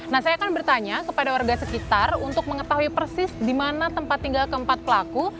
nah saya akan bertanya kepada warga sekitar untuk mengetahui persis di mana tempat tinggal keempat pelaku